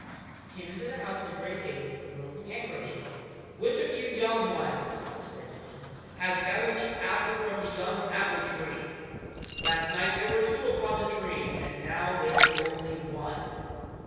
He came into the house in great haste, and looking angrily, "Which of you young ones," said he, "has gathered the apple from the young apple tree? Last night there were two upon the tree, and now there is only one."